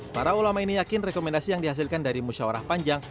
para ulama ini yakin rekomendasi yang dihasilkan dari musyawarah panjang